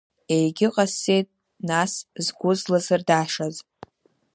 Егьыҟасҵеит, нас, сгәы зласырдашаз.